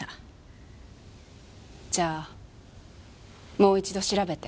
じゃあもう一度調べて。